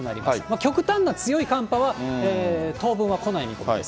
極端な強い寒波は当分は来ない見込みです。